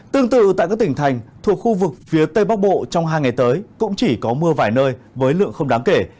tương tự tại các tỉnh thành thuộc khu vực phía tây bắc bộ trong hai ngày tới cũng chỉ có mưa vài nơi với lượng không đáng kể